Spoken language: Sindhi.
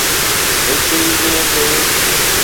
هڪ ئي ڏينهن تي